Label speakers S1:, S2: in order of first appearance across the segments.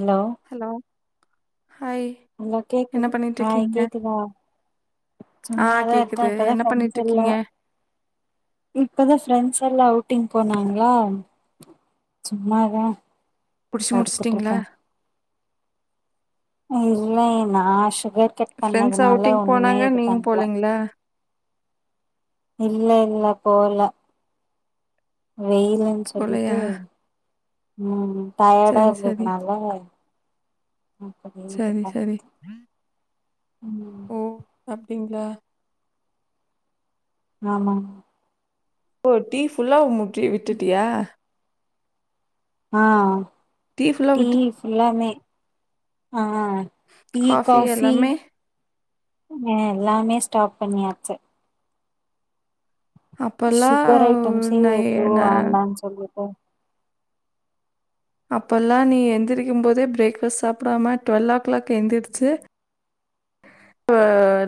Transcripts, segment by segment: S1: Hello
S2: hello hi
S1: [unintelligible]
S2: என்ன
S1: கேக்குது
S2: பண்ணிட்டு
S1: ஹாய்
S2: இருக்கீங்க
S1: கேக்குதா
S2: ஆ
S1: சும்மாதான்
S2: கேக்குது
S1: இருக்கன் இப்பதா
S2: என்ன பண்ணிட்டு
S1: ஃப்ரெண்ஸெல்ல
S2: இருக்கீங்க
S1: இப்பதா ஃப்ரெண்ட்ஸெல்லா அவ் ட்டிங் போனாங்ளா சும்மாதா
S2: புடிச்சி முடிஸ்ட்டீங்களா
S1: படுத்துட்ருக்கே இல்லை நா ஷ
S2: ஃரெண்ட்ஸ் அவுட்டிங் போனாங்க நீங்
S1: பண்ணல
S2: போலீங்ளா
S1: இல்ல இல்ல போல வெய்லின்னு
S2: போலையா
S1: சொல்லிட்டு உம் டயடா
S2: சரி சரி
S1: இருந்ததுனால ம் அப்படிய இது
S2: சரி சரி
S1: பண்ணிடன் உம்
S2: ளா
S1: ஆமாம்
S2: ஓ டீ ஃபுல்லா உம்மு டி விட்டுட்டியா
S1: ஆஹ்
S2: ஃபுல்லா
S1: டீ
S2: விட்டு
S1: ஃபுல்லாமே ஆஹ் ஆஹ் டீ காஃபி ஆஹ் எல்லாமே ஸ்டாப் பண்ணியாச்சு
S2: அப்பெல்லாம்
S1: ஷுகர் ஐட்டம்ஸே
S2: நை
S1: எது
S2: ந
S1: வேண்டான் சொல்லிட்டு
S2: அப்பெல்லா நீ எந்திரிக்கும் போதே பிரேக்ஃபாஸ்ட் சாப்படாம ட்வெல் ஓ க்ளாக் எந்திரிச்சு இப்போ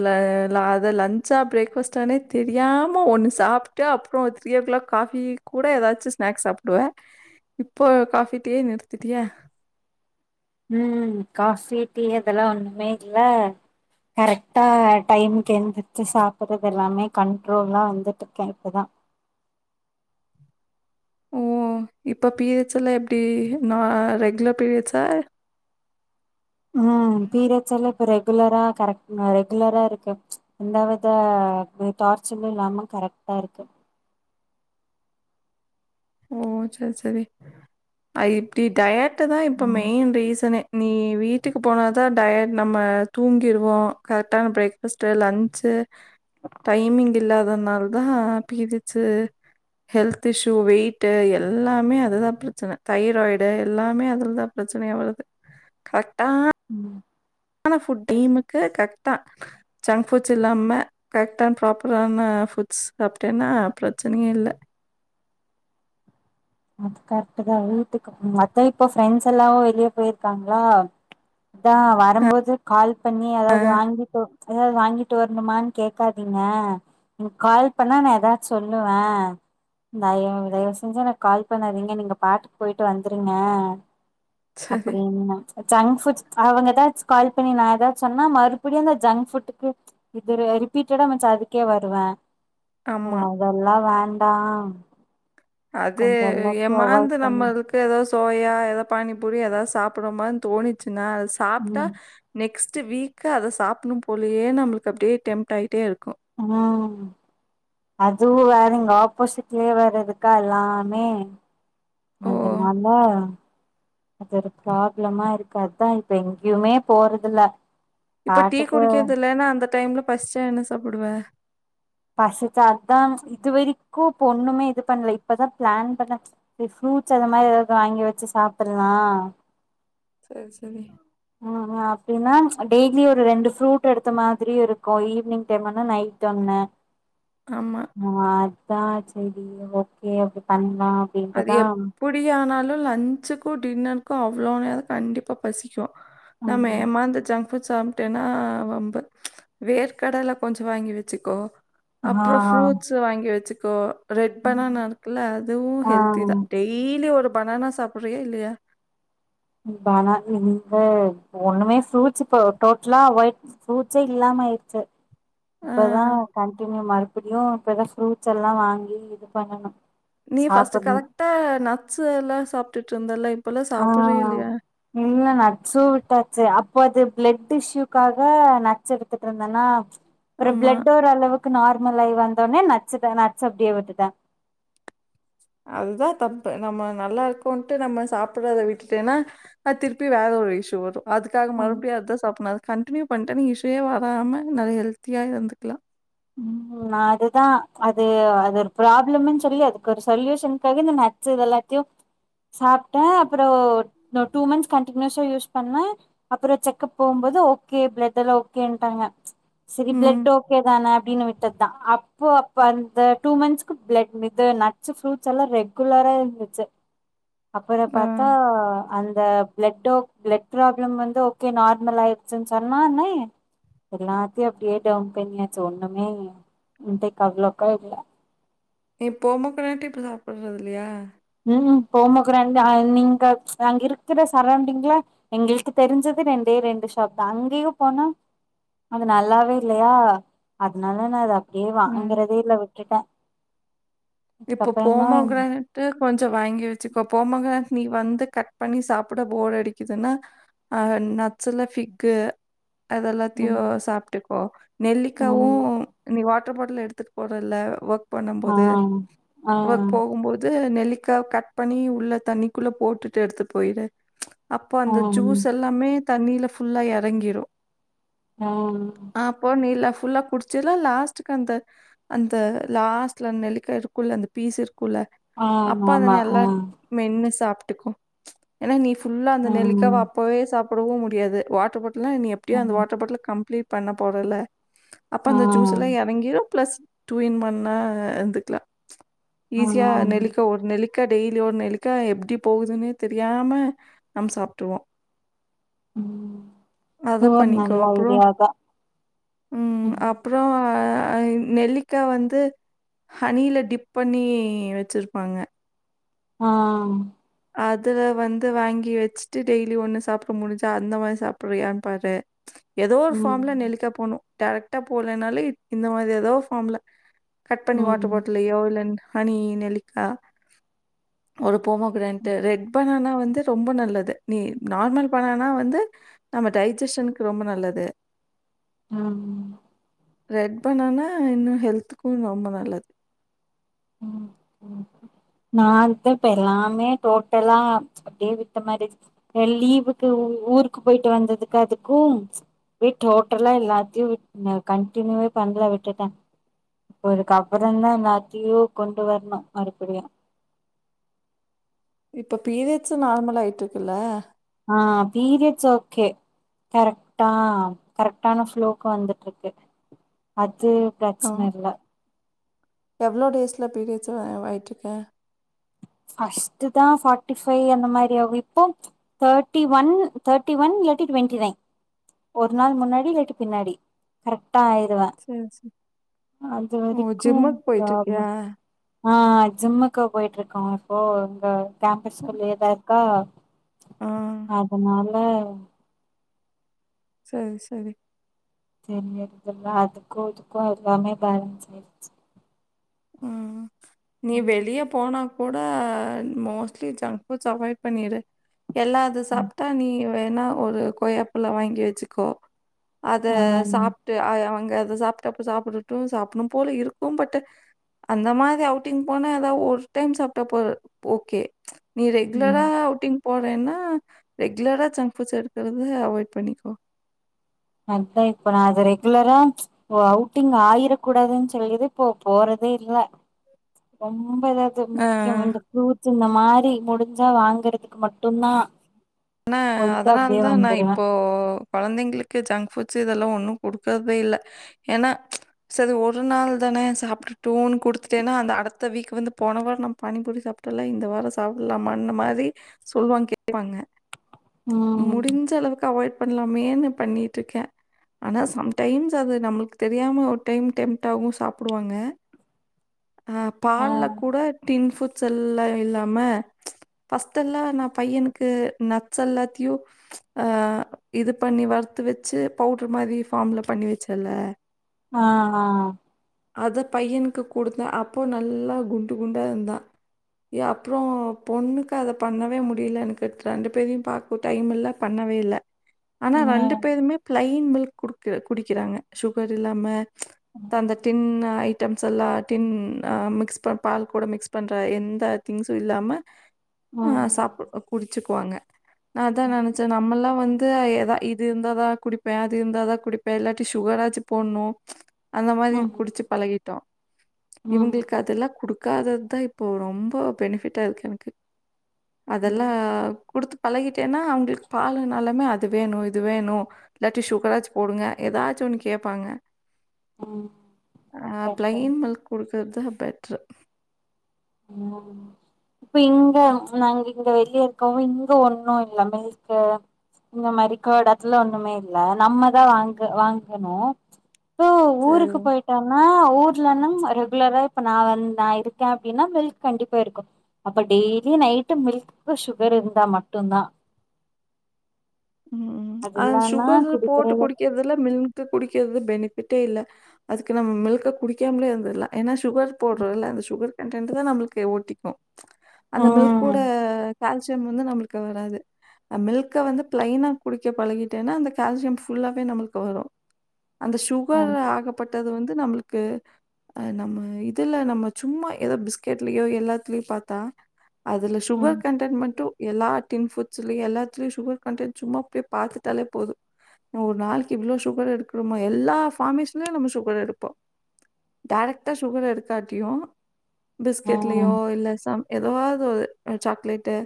S2: ல லா அத லன்ச்சா பிரேக் ஃபாஸ்ட்டானே தெரியாம ஒன்னு சாப்ட்டு அப்ற த்ரீ ஓ கிளாக் காஃபி கூட ஏதாச்சி ஸ்நாக்ஸ் சாப்டுவ இப்போ காஃபி டீயே நிறுத்திட்டியா
S1: உம் காஃபி டீ அதெல்லா ஒன்னு மெயின்ல்ல கரெக்டா டைமுக்கு எந்திரச்சி சாப்புட்றது எல்லாமே கண்ட்ரோல்லா வந்துட்டு இருக்கே இப்பதா
S2: ஓ இப்போ பீரியட்ஸ் செல்லா எப்டி நா ரெகுலர் பீரியட்ஸா
S1: உம் பீரியட்ஸ்ஸெல்லாப் ரெகுலரா கரெக்ட் ரெகுலரா இருக்கு ச் எந்தாவ்வித டார்ச்சென்னு இல்லாம கரெக்ட்டா இருக்கு
S2: ஓ சேர் சேரி அது இப்டி டயட் டு தா இப்போ
S1: ம்
S2: மெயின் ரீசனே நீ வீட்டுக்கு போன தா டயட் நம்ம தூங்கிற்வோ கரெட்டான பிரேக்ஃபஸ்ட்டு லன்ச்ச டைமிங் இல்லாதனாலதா பிரியட்சு ஹெல்த் இஸ்யூ வெயிட் டு எல்லாமே அதுதா பிரச்சன தைராய்டு எல்லாமே அதுலதா பிரச்சனையா வருது கரெக்
S1: உம்
S2: ஆனா புட் டீமுக்கு கரெக்ட்டா ஜங்க் ஃபுட்ஸ் இல்லாம கரெக்டா ப்ராப்பரான ஃபுட்ஸ் சாப்டேனா பிரச்சனே இல்ல
S1: அது கரெக்ட் தா வீட்டுக்கு அதா இப்ப ஃப்ரெண்ட்ஸ் எல்லாவு வெளியே போயிருக்காங்களா அதா வரும்போது கால் பண்ணி அதாவது வாங்கிட்டு எதாவது வாங்கிட்டு வரணுமானு கேட்காதீங்க என கால் பண்ணா நான் ஏதாச்சு சொல்லுவே தய தயவு செஞ்சு கால் பண்ணாதீங்க நீங்க பாட்டுக்கு போயிட்டு வந்துருங்க
S2: அது
S1: அப்படின்னு ஜங்க்ஃபுட் அவங்க ஏதாச்ச கால் பண்ணி நா ஏதாச்ச சொன்னா மறுபடியு அந்த ஜங்க் ஃபுட்டுக்கு இது ரிபீட்டடா அதுக்கே வருவ
S2: ஆமா.
S1: அதெல்லா வேண்டா ஆமா
S2: அது ஏமாந்து நம்மளுக்கு ஏதா சோயா ஏதா பானிபூரி ஏதாது சாப்பிடமானு தோணிச்சு நா சாப்ட்டா
S1: ம்
S2: நெக்ஸ்ட் வீக்கு அதை சாப்டணும் போலயே நம்மளுக்கு அப்டியே டெம்ப்ட் ஆயிட்டே இருக்
S1: ம் அதுவு வேற இங்க ஆப்போசிட்லயே வேற இருக்கா எல்லாமே
S2: ஓ!
S1: அதனாலா அது ஒரு ப்ராப்ளமா இருக்கு அதா இப்ப எங்கயுமே போறதில்ல
S2: இப்ப டீ
S1: பாட்டுக்கு
S2: குடிக்கிறதில்லேனா அந்த டைம்ல பசிச்சா என்ன சாப்பிடுவ
S1: பசிச்சா அதா இது வரைக்கு இப்ப ஒண்ணுமே இது பண்ல இப்பதா பிளான் பண்ண ஃப்ரூட்ஸ் அந்த மாரி ஏதாது வாங்கி வெச்சு சாப்படலா
S2: சர் சரி
S1: அ ஹ அப்டினா டெய்லியு ஒரு ரெண்டு ஃப்ரூட் எடுத்த மாதிரியு இருக்கு ஈவினிங் டைம் ஒன்னு நைட் ஒண்ணு
S2: ஆமா.
S1: ஆ அதா செரி ஓகே அப்டி பண்
S2: அது எப்பிடியானாலு லன்ச்சு க்கு டின்னருக்கு அவ்ளோ நேர கண்டிப்பா பசிக்கு நாம
S1: ம்
S2: ஏமாந்து ஜங்க் அப்ப சாப்பிட்டேன்னா வம்பு ம்ச் வேர்க கடல கொஞ்சோ வாங்கி வச்சுக்கோ
S1: ஆ
S2: அப்றோ ஃப்ரூட்ஸ்ஸு வாங்கி வச்சுக் கோ ரெட் பனானா இருக்குல்ல அதுவு
S1: ஆ
S2: ஹெல்தி தா டெய்லி ஒரு ப் பனானா சாப்பிடுறியா இல்லையா
S1: பனானா இங்க ஒண்ணுமே ஃப்ரூட்ஸ் இப்போ டோட்டலா அவாய்ட் ஃப்ரூட்ஸே இல்லாம ஆயிடுச்சு
S2: ஆ.
S1: இப்பதா கண்டினியூ மர்க் அப்டியு இப்ப ஏதா ஃப்ரூட்ஸ் எல்லா வாங்கி இது பண்ணணு
S2: நீ ஃர்ஸ்ட்ட்
S1: சாப்புட்ணு
S2: கரெக்டா நட்ஸ் எல்லா சாப் [unintelligible] லைப்
S1: ஆ இல்ல நட்ஸ்ஸு விட்டாச்சு அப் இப்போ அது பிளட் இஷ்யூக்காக நட்ஸ் எடுத்துட்டுருந்தனா ஒரு
S2: ஆமா.
S1: பிளட்டோர் அளவுக்கு நார் மலை வந்தோனே நட்ஸ்க்க நட்ஸ் அப்படியே விட்டுட்ட
S2: அதுதா தப்பு நம்ம நல்லா இருக்கோன்ட்டு நம்ம சாப்படறத விட்டுட்டேன்னா அது திருப்பி வேற ஒரு இஸ்யூ வரு அதுக்காக
S1: ம்
S2: மறுபடியு அதா சாப்பனா கண்டினியூ பண்ட்ட நீங்க இஷுவே வராம நெறைய ஹெல்த்தியா இருந்துக்கலா
S1: ம் அதுதா அது அது ஒரு ப்ராப்ளம்ன்னு சொல்லி அதுக்கு ஒரு சொல்யூஷனுக்காக இந்த நட்ஸ் இது எல்லாத்தையு சாப்ட்டே அப்பொறோ ந்த டூ மந்த்ஸ் கண்டியூஸா யூஸ் பண்ணே அப்பறொ செக்கப் போகும்போது ஓகே பிளட் எல்லா ஓகேன்டாங்க சரி
S2: ம்.
S1: பிளட் ஓகே தானா தெத்தா அப்போ அப்ப அந்த டூ மன்ஸ்க்கு ப்ளட்மிது நட்ஸ்ஸு ப்ரூட் எல்லா ரெகுலரா இருந்துச்சு அப்பறொ
S2: ஆ.
S1: பாத்தா அந்த பிளட்டோ பிளட் ப்ராப்ளம் வந்து ஓகே நார்மல் ஆயிடுச்சுன்னு சொன்னோனே எல்லாத்தையு அப்படியே டவுன் பண்ணியாச்சு ஒன் இன்னமே இத்தைக்கு அவ்ளோக்கா இல்ல
S2: நீ பொமக்குரன்னட்டே இப்ப சாப்பிடறது இல்லையா
S1: உம் போமக்குரனை அ நீங்க ப்ச் அங்க இருக்கிற சரவுண்டிங்ல எங்களுக்கு தெரிஞ்சது ரெண்டே ரெண்டு ஷாப்தா அங்கேயும் போனா அது நல்லாவே இல்லையா அதனால நா த கே
S2: ம்.
S1: வாாங்கறதே இல்ல அவ கிட்ட
S2: இப்போ போமோகிரனட்டு கொஞ்சொ வாங்கி வச்சுக்கோ பொமக் நீ வந்து கட் பண்ணி சாப்பிட போர் அடிக்குதுன்னா அ நட்ஸுல ஃபிக்கு அதெல்லாத்தையு
S1: ம்
S2: சாப்ட்டுக்கோ நெல்லிக்காவு
S1: ம்
S2: நீ வா வாட்டர் பாட்டில் எடுத்துட்டு போற இல்ல ஒர்க் பண்ணும்
S1: ஆ
S2: போது
S1: ஆ
S2: வொர்க் போகும்போது நெல்லி க்கா கட் பண்ணி உள்ள தண்ணிக்குள்ள போட்டுட்டு எடுத்து போயிடு அப்போ
S1: ஆ
S2: அந்த ஜூஸ் எல்லாமே தண்ணில ஃபுல்லா எறங்கிரு
S1: ஆ
S2: ஆ அப்போ நீ லெப் ஃபுல்லா குடிச்சில லாஸ்ட்க்கு அந்த அந்த லாஸ்ட்ல நெ அதுக்குள்ள அந்த பீஸ் இருக் குள்ள
S1: ஆ
S2: அப்பா
S1: ஆமா
S2: தான
S1: ஆ
S2: எல்லா மென்னு சாப் கு ஏனா நீ ஃபுல்லா அந்த நெல்லிக்காவ
S1: ம்
S2: அப்பவே சாப் புடவு முடியாது வாட்டர் பாட் டல்ல நீ எப்டியோ
S1: ஆ
S2: அந்த வாட்டர் பாட்டல கம்ப்ளிட் பண்ண போறல அப்ப
S1: ஆ
S2: அந்த ஜூஸ் எல்லா எறங்கிரு ப்ளஸ் டூ இன் ஒன்னா ஆ அது தில
S1: ஆ
S2: ஈஸியா நெலிக்கா ஒரு நெல்லி க்க டெய்லி ஒர் நெல்லிக்கா எப்டி போவுதுனே தெரியாம நம் சாப்ட்ருவோ
S1: ம்
S2: அத
S1: சோர்
S2: பண்ணிக்கோ
S1: நல்ல
S2: அப்புறோ
S1: ஐடியாதா
S2: உம்
S1: ம்
S2: அப்புறோ அ அஹ் ந் நெல்லிக்கா வந்து ஹனில டிப் பண்ணீ வச்சிருப்பாங்க
S1: ஆ
S2: அதுல வந்து வாங்கி வெச்சுட்டு டெய்லி ஒண்ணு சாப்டு முடிஞ்சா அந்த மாரி சாப்புட்றியான்னு பாரு ஏதோ ஒரு
S1: ம்
S2: ஃபார்ம்ல நெல்லிக்கா போணு டேரக்ட்டா போலேனாலே ப் இந்த மாரி எதோ ஃபார்ம்ல கட் பண்ணி வாட்டர்
S1: ம்
S2: பாட்டல்லயோ இல்ல ஹனி நெல்லிக்கா ஒரு போமாகிரான் த ரெட் பனானா வந்து ரொம்ப நல்லது நீ நார்மல் பனானா வந்து நம்ம டைஜஷன்க்கு ரொம்ப நல்லது
S1: உம்
S2: ரெட் பனானா இன்னு ஹெல்த்துக்கோ ரொம்ப நல்லது
S1: நா இப்ப பாரு எல்லாமே டோட்டலா அப்டியே விட்ட மாரி லீவுக்கு ஊருக்கு போயிட்டு வந்ததுக்கு அதுக்கும் அப்டியே டோட்டலா எல்லாத்தையு விட் நா கண்டினியூவே பண்ல விட்டுட்டே இப்ப அதுக்கு அப்புறம்தா எல்லாத்தியு கொண்டு வர்னோ மறுபடியு
S2: இப்ப பீரியட்ஸ் நார்மலா ஆயிட்டுருக்கில்ல
S1: ஆ பீரியட்ஸ் ஓகே கரெக்டா கரெக்டான ஃப்ளோக்கு வந்துட்டிருக்கு அ இது பிரச்சன இல்ல
S2: எவ்லோ டேஸ்ல பீரியட்ஸ் ஆயிட்டு இருக்க
S1: ஃபஷ்டுதா ஃபாட்டிஃபைவ் அந்த மாரி ஆகு இப்போ தட்டி ஒன் தட்டி ஒன் இல்லாடி டுவெண்ட்டி நைன் ஒரு நாள் முன்னாடி இல்லாட்டி பின்னாடி கர கரெக்ட்டா ஆயிருவை
S2: சரி, சரி.
S1: அது
S2: ஓ!
S1: வெரிக்கோ
S2: ஜிம்முக்கு போயிட்டுருக்கியா?
S1: ப்ராப்லம் ஆஹ் ஜும்முக்கு போயிட்டிருக் காசோ இங்க கேம்பஸ்குல்லயே தா இருக்கா
S2: ஆ.
S1: அதனாலே உம்
S2: செரி செரி
S1: தெரியற்தில்ல அதுக்கு இதுக்கு எல்லாமே பேலன்ஸ் ஆயிருச்சு
S2: உம் நீ
S1: ம்
S2: வெளிய போனா கூட மோஸ்ட்லி ஜங்க்புட்ஸ் அவாய்ட் பண்ணிடு எல்லா அது சாப்டா நீ ஒ வேணா ஒரு கொய்யாப்பலோ வாங்கி வெச்சுக்கோ அத
S1: ஆ
S2: சாப்டு அ அங்க் அ அது சாப்டு அப்ப சாப்டட்டு சாப்டணு போல இருக்கு பட் அந்த மாரி அவுட்டிங் போனா ஏதா ஒரு டைம் சாப்ட்டா போது ஓக்கே நீ
S1: ம்
S2: ரெகுலரா அவுட்டிங் போ வேனா ரெகுலரா ஜங்க் ஃப்ட்ஸ் எடுக்குறது அவாய்ட் பண்ணிக்கோ
S1: மாரிதா இப்பொ நா அத ரெகுலரா அவுட்டிங் ஆயிரக் கூடாதுனு சொல்லுது இப்போ போறதே இல்ல ரொம் ரொம்ப ஏதாவ்து
S2: அ
S1: முக்கியொ அந்த ஃப்ரூட்ஸ் இந்த மா ரி முடிஞ்சா வாங்குறதுக்கு மட்டுதா
S2: ஆனா அதனால தா நா இப்போ கொழந்தைங்களுக் கு ஜங்க் ஃபுட்ஸ்ஸு இதெல்லா ஒன்னு குடுக்கற்தே இல்ல ஏன்னா செரி ஒரு நாள் தானே சாப்டடுனு குடுத்துட்டேனா அந்த அடுத்த வீக் வந்து போன வாரோ நம்ம பாணி பூரி சாப்டோல இந்த வாரோ சாப்டலாமான் மாரி சொல்வாங்க கேப்பாங்க
S1: ம்
S2: முடிஞ்ச அளவுக்கு அவாய் பண்ணலாமேன்னு பண்ணிட்டு இருக்கேன் ஆனா சம்டைம்ஸ் அது நம்ளுக்கு தெரியாம ஒரு டைம் டெம்டாகும் சாப்டுவாங்க அ
S1: ஆ
S2: பால்ல கூட டின் ஃபுட் தொல்லைஇல்லாம ஃபஸ்டெல்லா நா பையனுக்கு நட்ஸ் எல்லாத்தையு ச் ஆஹ் இது பண்ணி வறுத்து வச்சு பவுடரு மாதிரி ஃபாம்ல பண்ணி வச்சல
S1: ஆஹ் ஆஹ்
S2: அது பையனுக்கு கொடுத்தேன் அப்போ நல்லா குண்டு குண்டா இருந்தான் அப்றோ பொண்ணுக்கு அத பண்ணவே முடியல ரெண்டு பேரையும் பாக்க டைம் இல்ல பண்ணவே இல்ல ஆனா ரெண்டு
S1: ம்
S2: பேருமே ப்ளைன் மில்க் குடுக்க குடிக்கறாங்க சுகர் இல்லாம தந்த டின்னாய் டம்ஸல்லா டின் அ மிக்ஸ் பண் பால் கூட மிக்ஸ் பண்ற எந்த திங்ஸு இல்லாம ஆ
S1: ம்
S2: சாப்பு அ குடி ச்சுக்குவாங்க நா அதா நனச்சே நம்மல்லா வந் து ஏதா இது இருந்தாதா குடிப்பே அது இருந்தாதா குடிப்பே இல்லாட்டி சுகராச்சு போட்ணோ அந்த மாரி
S1: ம்
S2: குடிச்சு பழகிட்டோ
S1: ம்
S2: இவங்குளுக்கு அதுல்லா குடுக் காதத் தா இப்போ ரொம்போ பெனிஃபிட்டா இருக்கு எனக்கு அதெல்லா
S1: ம்
S2: குடுத்து பழகிட்டேனா அவங்களுக் பாலுன்னாலாமே அது வேணு இது வேணு இல்லாட்டி சுகராச்சு போடுங்க ஏதாச்சு ஒன்னு கேப்பாங்க
S1: ம்
S2: ஆ
S1: சரி சரி
S2: பிளைன் மில்க் குடுக் இத்தா பெட்ரு
S1: ம் இப்ப இங்க நாங்க இங்க வெளிய இருக்கவங்க இங்க ஒண்ணு இல்ல மில்க்கு இந்த மாரி கர்ட் அத்துல ஒண்ணுமே இல்ல நம்ம தா வாங்க வாங்கணு ப்போ
S2: சரி.
S1: ஊருக்கு போயிட்டோனா ஊர்லன்னா ரெகுலரா இப்ப நா வந் நா இருக்கே அப் ன்னா மில்க் கண்டிப்பா இருக்கு அப்ப டெய்லி நைட்டு மில்க்கு சுகர் இருந்தா மட்டு தா
S2: ம் ம் ம்ச்
S1: அது
S2: அந்
S1: இல்லன்னா
S2: சுகரு போட்டு
S1: குடிக்கிறது
S2: குடிக்கிறதுல மில்கு குடிக்கிறது பெனிப் விட்டே இல்ல அதுக்கு நம் மில்க குடிக்காமலே இந்துர்லா ஏன்னா சு சுகர் போட்றல்ல அந்த சுகர் கன்டென்டு தா நம்மளுக்கு ஓட்டிக்கு அந்த மில்க்
S1: ம்
S2: கூட கால்சியம் வந்து நம்மளுக்கு வராது அ மில்க்க வந்து பிளைனா குடிக்க பழகிட்டேன்னா அந்த கால்சியம் ஃபுல்லாவே நம்மளுக்கு வரு அந்த சுகர்
S1: ம்
S2: ஆகப்பட்டது வந் இது நம்மளுக்கு அ நம்ம இதுல நம்ம சும்மா ஏதோ பிஸ்கெட்லயோ எல்லாத்துலயு பாத்தா அதுல சுகர்
S1: ம்
S2: கண்டென் மட்டு எல்லா டின் ஃபுட்ஸ்ல்லியு எல்லாத்திலியு சுகர் கன்டென்ட் சும்மா அப்டியே பாத்துட்டாலே போது ஒரு நாளைக்கு இவ்ளோ சுகர் எடுக்கணுமோ எல்லா ஃபார்மேஷலயு நம்ம சுகர் எடுப்போ டைரக்ட்டா சுகர் எடுக்காட்டியு
S1: ம்
S2: பிஸ்கெட்லையோ இல்ல சம் எதவாது ஒரு அ சாக்லேட்டு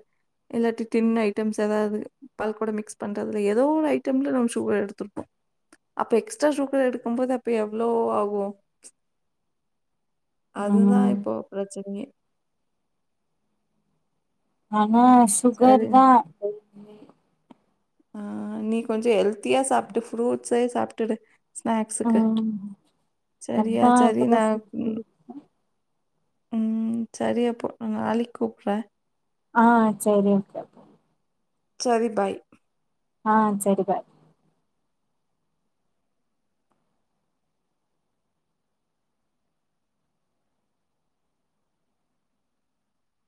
S2: இல்லாட்டி டின் ஐட்டம்ஸ் எதாவது பால் கூட மிக்ஸ் பண்றதுல ஏதோ ஒரு ஐட்டம்ல நம்ம சுகர் எடுத்திருப்போ அப்ப எக்ஸ்ட்ரா சுகர் எடுக்கும் போது அப்ப எவ்ளோ ஆகு ம்ச் அதுதா
S1: ம்
S2: இப்போ பிரச்சனயே
S1: அன் ந
S2: சரி
S1: சுகரு தா
S2: ஆ நீ கொஞ்சோ ஹெல்த் தியா சாப்டு ஃப்ரூ செ சாப்ட்டுடு ஸ்நாக்ஸுக்கு
S1: உஹ்ம்
S2: சரியா
S1: அத்தான்
S2: சரி
S1: இப்பதா சிப் குடிச்சே
S2: உம் சரி அப்போ நாளைக் கூப்பே
S1: ஆஹ் சரி ஓகே அப்ப
S2: சரி பாய்
S1: ஆஹ் சேரி பாய்